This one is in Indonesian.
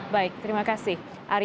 baik terima kasih